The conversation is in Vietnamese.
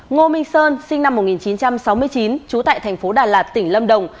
ngô minh sơn sinh năm một nghìn chín trăm sáu mươi chín trú tại thành phố đà lạt tỉnh lâm đồng